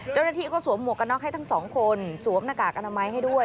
เจ้าหน้าที่ก็สวมหมวกกันน็อกให้ทั้งสองคนสวมหน้ากากอนามัยให้ด้วย